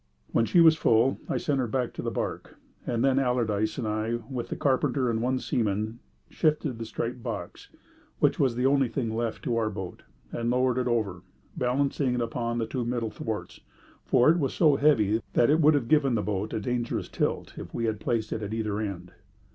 When she was full I sent her back to the barque, and then Allardyce and I, with the carpenter and one seaman, shifted the striped box, which was the only thing left, to our boat, and lowered it over, balancing it upon the two middle thwarts, for it was so heavy that it would have given the boat a dangerous tilt had we placed it at either end.